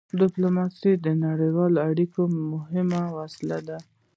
ډيپلوماسي د نړیوالو اړیکو مهمه وسيله ده.